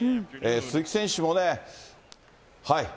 鈴木選手もね、はい。